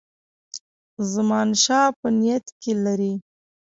زمانشاه په نیت کې لري.